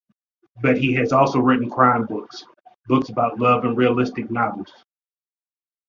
But he has also written crime-books, books about love and realistic novels.